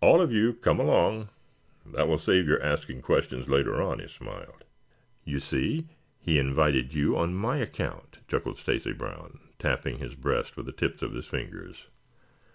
"All of you come along. That will save your asking questions later on," he smiled. "You see, he invited you on my account," chuckled Stacy Brown, tapping his breast with the tips of his fingers.